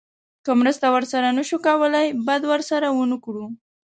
که مرسته ورسره نه شو کولی بد ورسره ونه کړو.